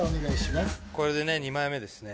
これでね２枚目ですね。